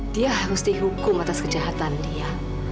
dia harus dihukum atas kejahatan dia